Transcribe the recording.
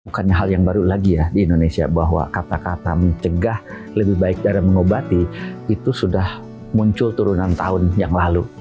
bukan hal yang baru lagi ya di indonesia bahwa kata kata mencegah lebih baik dari mengobati itu sudah muncul turunan tahun yang lalu